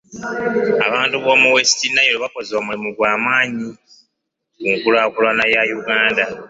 Abantu b'omu West Nile bakoze omulimu gwa maanyi ku nkulaakulana ya Uganda.